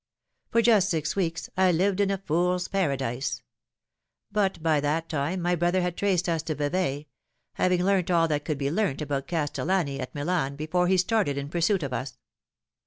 For just six weeks I lived in a fool's paradise ; but by that time my brother had traced us to Vevay having learnt all that could be learnt about Castellani at Milan before he started in pursuit of us.